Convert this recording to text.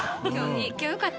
今日よかった！